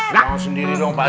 mau sendiri dong pak d